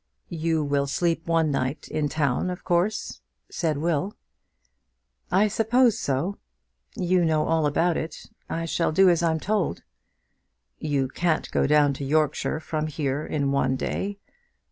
"You will sleep one night in town, of course?" said Will. "I suppose so. You know all about it. I shall do as I'm told." "You can't go down to Yorkshire from here in one day.